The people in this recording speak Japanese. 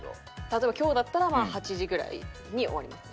例えば今日だったら８時ぐらいに終わります。